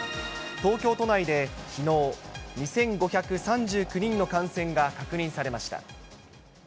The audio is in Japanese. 東京都内できのう、２５３９人の感染が確認されました。